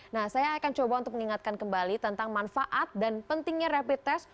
nah saya akan coba untuk mengingatkan kembali tentang manfaat dan pentingnya rapid test